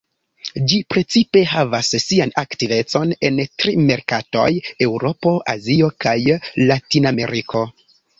Ĝi precipe havas sian aktivecon en tri merkatoj: Eŭropo, Azio kaj Latinameriko.